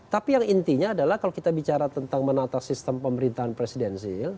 tapi yang intinya adalah kalau kita bicara tentang menata sistem pemerintahan presidensil